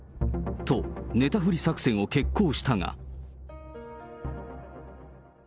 と、寝たふり作戦を決行したが。